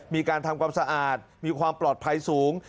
มีการทำความสะอาดมีความปลอดภัยสูง